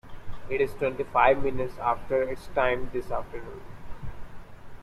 It is twenty-five minutes after its time this afternoon.